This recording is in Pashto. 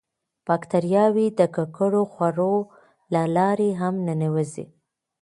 باکتریاوې د ککړو خوړو له لارې هم ننوځي.